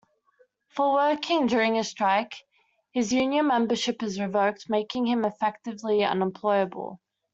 For working during a strike, his union membership is revoked, making him effectively unemployable.